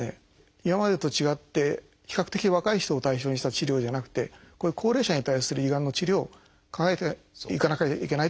今までと違って比較的若い人を対象にした治療じゃなくてこういう高齢者に対する胃がんの治療を考えていかなきゃいけないという。